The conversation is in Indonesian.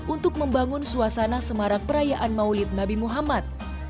untuk membangun suasana semarak perayaan maulid nabi muhammad